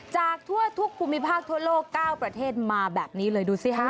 จากทั่วทุกภูมิภาคทั่วโลก๙ประเทศมาแบบนี้เลยดูสิฮะ